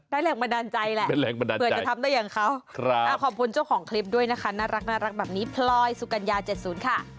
แรงบันดาลใจแหละเผื่อจะทำได้อย่างเขาขอบคุณเจ้าของคลิปด้วยนะคะน่ารักแบบนี้พลอยสุกัญญา๗๐ค่ะ